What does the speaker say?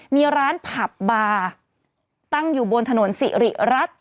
มีร้านผับบาร์ตั้งอยู่บนถนนสิริรัตน์